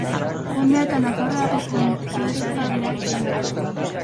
Kondea eta Nafarroako kondestablea izandakoa.